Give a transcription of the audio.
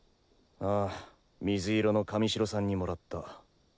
ああ水色の神代さんにもらった。